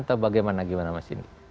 atau bagaimana mas indi